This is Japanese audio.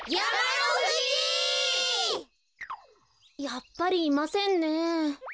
やっぱりいませんね。